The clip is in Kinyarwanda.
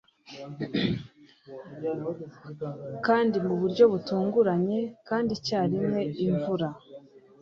kandi mu buryo butunguranye, kandi icyarimwe, imvura